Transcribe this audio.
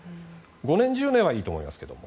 ５年、１０年はいいと思いますけど。